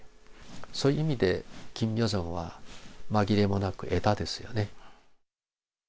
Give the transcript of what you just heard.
そういう意味でキム・ヨジョンは、紛れもなく枝ですよね。